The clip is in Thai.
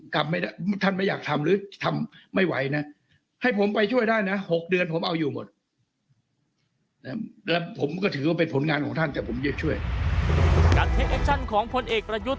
การเทคเอชั่นของผลเอกระยุด